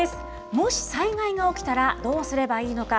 もし災害が起きたらどうすればいいのか。